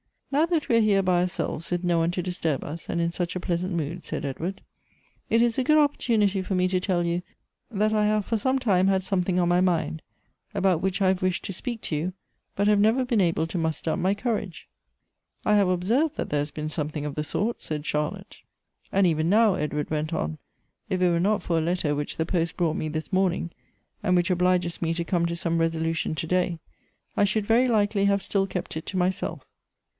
'' "Now that we are here by ourselves, with no one to disturb us, and in such a pleasant mood," said Edward, " it is a good opportunity for rae to tell you that I have for some time had something on my mind, about which I have wished to speak to you, but have never been able to muster up my courage." " I have observed that there has been something of the sort," said Charlotte. "And even now," Edward went on, "if it were not for a letter which the post brought me this morning, and whicli obliges me to come to some resolution to day, I should very likely have still kept it to myself."